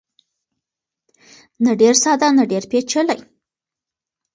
نه ډېر ساده نه ډېر پېچلی.